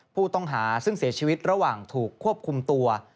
ผู้ต้องหาซึ่งเสียชีวิตระหว่างถูกควบคุมตัว